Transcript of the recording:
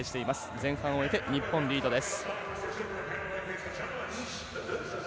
前半を終えて、日本リードです。